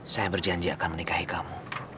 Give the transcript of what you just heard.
saya berjanji akan menikahi kamu